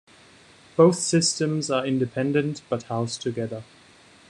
Both systems are independent, but housed together.